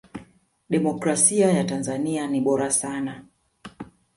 demokrasia ya tanzania ni bora sana